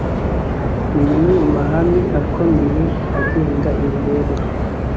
ni rimwe mu mahame akomeye agenga imibereho